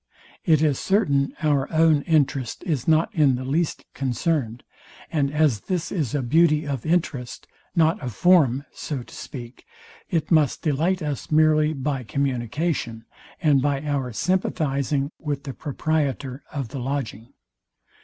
It is certain our own interest is not in the least concerned; and as this is a beauty of interest, not of form, so to speak, it must delight us merely by communication, and by our sympathizing with the proprietor of the lodging.